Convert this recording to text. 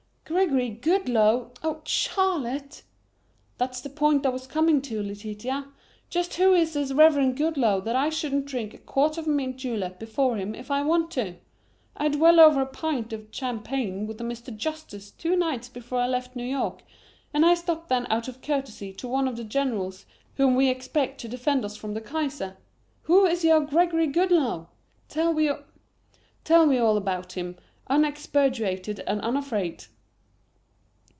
"Gregory Goodloe? Oh, Charlotte!" "That's the point I was coming to, Letitia: Just who is this Reverend Goodloe that I shouldn't drink a quart of mint julep before him if I want to? I had well over a pint of champagne with a Mr. Justice two nights before I left New York and I stopped then out of courtesy to one of the generals whom we expect to defend us from the Kaiser. Who is your Gregory Goodloe? Tell we all about him, unexpurgated and unafraid."